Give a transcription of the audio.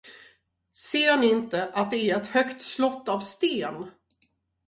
Ser ni inte, att det är ett högt slott av sten?